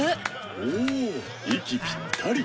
おぉ息ぴったり。